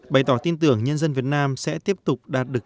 bày tỏ tin tưởng nhân dân việt nam sẽ tiếp tục đạt được